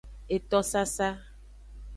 Eto sasa.